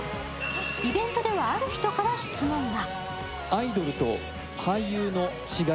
イベントでは、ある人から質問が。